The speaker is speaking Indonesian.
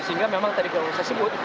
sehingga memang tadi kalau saya sebut